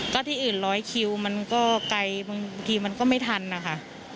ก็ที่อื่นร้อยคิวมันก็ไกลบางทีมันก็ไม่ทันนะคะ